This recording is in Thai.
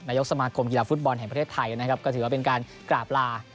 ยกสมาคมกีฬาฟุตบอลแห่งประเทศไทยนะครับก็ถือว่าเป็นการกราบลา